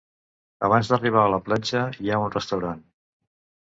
Abans d'arribar a la platja hi ha un restaurant.